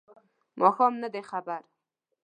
ماښام نه دی خبر